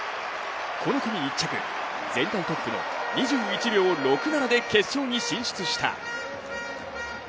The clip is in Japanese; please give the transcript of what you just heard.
この組１着、全体トップの２１秒６７で決勝に進出した。